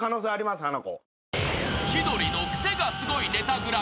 ［『千鳥のクセがスゴいネタＧＰ』］